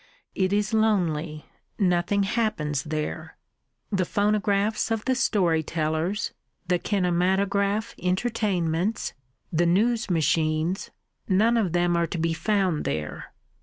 It is lonely. Nothing happens there. The phonographs of the story tellers, the kinematograph entertainments, the news machines none of them are to be found there.